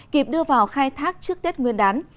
kịp đưa vào khai thác trước tết nguyên đán